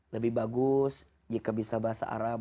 lebih bagus jika bisa bahasa arab